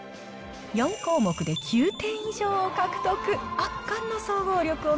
４項目で９点以上を獲得。